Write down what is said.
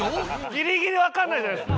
ギリギリわかんないじゃないですか。